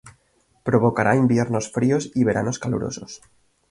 Provocará inviernos fríos y veranos calurosos.